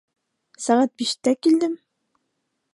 — Сәғәт биштә килдем.